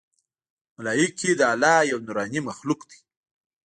ملایکې د الله ج یو نورانې مخلوق دی